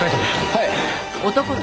はい。